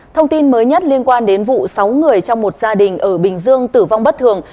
thông tin mới nhất liên quan đến vụ sáu người trong một gia đình ở bình dương tử vong bất thường